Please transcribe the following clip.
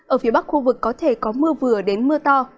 ở phía bắc khu vực có thể có mưa vừa đến mưa to